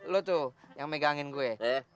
lu tuh yang megangin gue